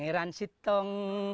saya akan menang